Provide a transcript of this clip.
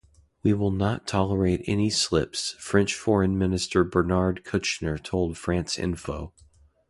We will not tolerate any slips, French Foreign Minister Bernard Kouchner told France Info.